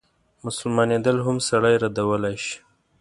مسلمانېدل هم سړی ردولای شي.